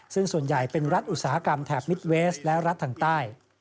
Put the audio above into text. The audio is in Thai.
ซึ่งส่วนใหญ่เป็นรัฐอุตสาหกรรมแถบมิดเวสและรัฐทางใต้